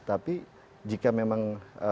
tapi jika memang